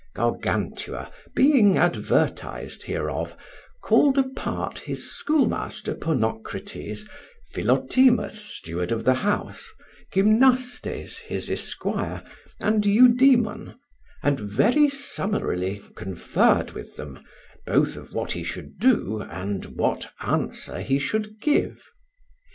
Gargantua being advertised hereof, called apart his schoolmaster Ponocrates, Philotimus, steward of his house, Gymnastes, his esquire, and Eudemon, and very summarily conferred with them, both of what he should do and what answer he should give.